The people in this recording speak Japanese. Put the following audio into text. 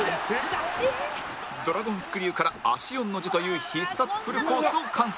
ドラゴンスクリューから足４の字という必殺フルコースを完成